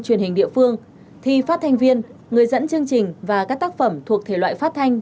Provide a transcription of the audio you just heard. truyền hình địa phương thi phát thanh viên người dẫn chương trình và các tác phẩm thuộc thể loại phát thanh